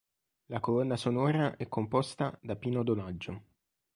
La colonna sonora è composta da Pino Donaggio.